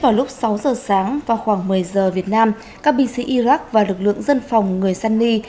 vào lúc sáu giờ sáng và khoảng một mươi giờ việt nam các binh sĩ iraq và lực lượng dân phòng người sunny